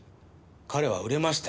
彼は売れましたよ。